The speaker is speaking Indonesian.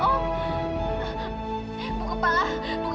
buku kepala jangan percaya sama om wanda